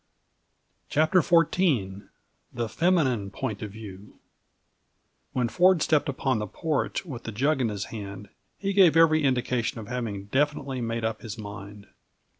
CHAPTER XIV The Feminine Point of View When Ford stepped upon the porch with the jug in his hand, he gave every indication of having definitely made up his mind.